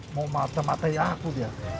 mau mata matain aku dia